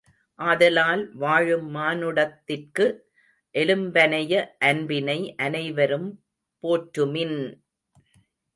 ஆதலால், வாழும் மானுடத்திற்கு எலும்பனைய அன்பினை அனைவரும் போற்றுமின்!